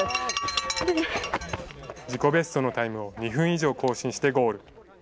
自己ベストのタイムを２分以上更新してゴール。